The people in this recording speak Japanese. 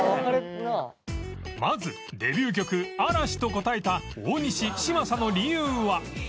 まずデビュー曲『Ａ ・ ＲＡ ・ ＳＨＩ』と答えた大西嶋佐の理由は